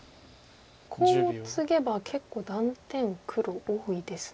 コウをツゲば結構断点黒多いですね。